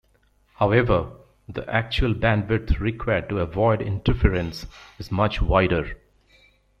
However, the actual bandwidth required to avoid interference is much wider.